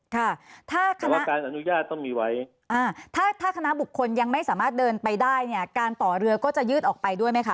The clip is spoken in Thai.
ค่ะถ้าคำว่าการอนุญาตต้องมีไว้อ่าถ้าถ้าคณะบุคคลยังไม่สามารถเดินไปได้เนี่ยการต่อเรือก็จะยืดออกไปด้วยไหมคะ